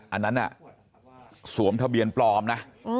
อันนั้นน่ะสวมทะเบียนปลอมนะ